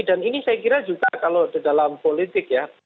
dan ini saya kira juga kalau di dalam politik ya